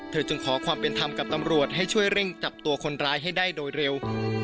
จึงขอความเป็นธรรมกับตำรวจให้ช่วยเร่งจับตัวคนร้ายให้ได้โดยเร็ว